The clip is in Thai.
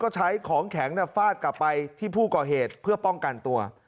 ใช้ของแข็งฟาดกลับไปที่ผู้ก่อเหตุเพื่อป้องกันตัว